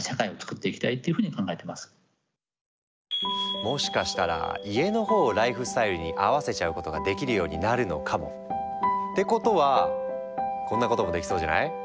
もしかしたら家のほうをライフスタイルに合わせちゃうことができるようになるのかも！ってことはこんなこともできそうじゃない？